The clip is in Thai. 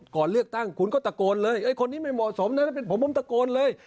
ก่อนเลือกตั้งคุณก็ตะโกนเลยคนนี้ไม่เหมาะสมนะถ้าเป็นผมผมตะโกนเลย